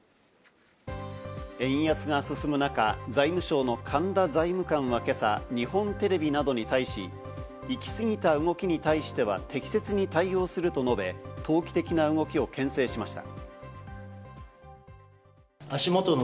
円安が進む中、財務省の神田財務官は今朝、日本テレビなどに対し、行き過ぎた動きに対しては適切に対応すると述べ、投機的な動きをけん制しました。